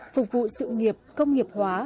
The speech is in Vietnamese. phục vụ sự nghiệp công nghiệp hóa